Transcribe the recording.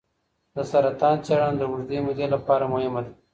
د سرطان څېړنه د اوږدې مودې لپاره مهمه ده.